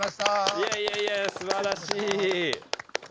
いやいやいやすばらしい。